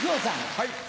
はい。